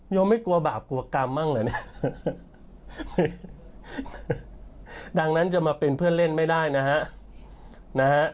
ไม่กลัวบาปกลัวกรรมบ้างเหรอเนี่ยดังนั้นจะมาเป็นเพื่อนเล่นไม่ได้นะฮะ